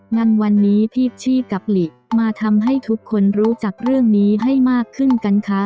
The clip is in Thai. งั้นวันนี้พี่ชี่กับหลีมาทำให้ทุกคนรู้จักเรื่องนี้ให้มากขึ้นกันคะ